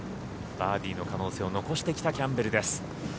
バーディーの可能性を残してきたキャンベルです。